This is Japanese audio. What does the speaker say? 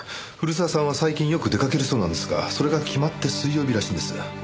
古澤さんは最近よく出掛けるそうなんですがそれが決まって水曜日らしいんです。